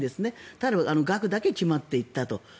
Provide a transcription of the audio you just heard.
ただ額だけ決まっていったと。